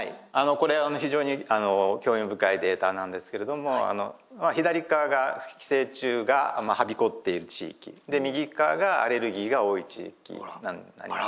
これは非常に興味深いデータなんですけれども左側が寄生虫がはびこっている地域右側がアレルギーが多い地域になります。